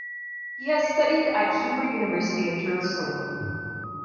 He has studied at Hebrew University in Jerusalem.